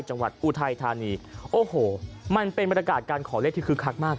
จังหวัดอุไททานีโอ้โหมันเป็นบรรยากาศการขอเลขที่คือคักมาก